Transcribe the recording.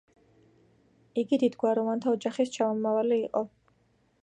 იგი დიდგვაროვანთა ოჯახის ჩამომავალი იყო.